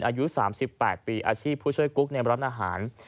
อายุ๓๘ปีอาชีพผู้ช่วยกุ๊กในร้านอาหาร